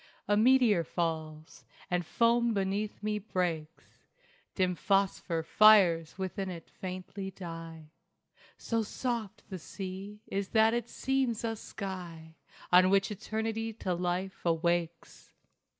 A meteor falls, and foam beneath me breaks; Dim phosphor fires within it faintly die. So soft the sea is that it seems a sky On which eternity to life awakes.